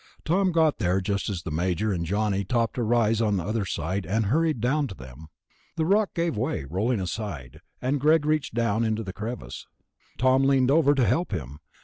Tom got there just as the Major and Johnny topped a rise on the other side and hurried down to them. The rock gave way, rolling aside, and Greg reached down into the crevice. Tom leaned over to help him.